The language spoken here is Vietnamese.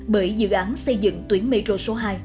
bởi dự án xây dựng tuyến mê chô số hai